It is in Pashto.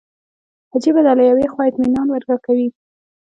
عجیبه ده له یوې خوا اطمینان راکوي.